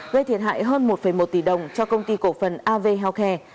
gây thiệt hại hơn một một tỷ đồng cho công ty cổ phần av healthcare